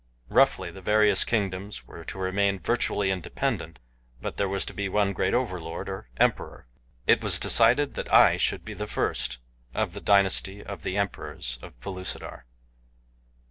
Roughly, the various kingdoms were to remain virtually independent, but there was to be one great overlord, or emperor. It was decided that I should be the first of the dynasty of the emperors of Pellucidar.